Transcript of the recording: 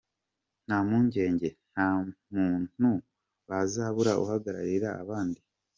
Nta mpungenge, nta muntu bazabura uhagararira abandi.